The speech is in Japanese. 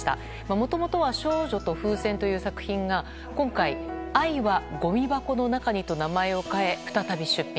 もともとは「少女と風船」という作品が今回、「愛はごみ箱の中に」と名前を変え再び出品。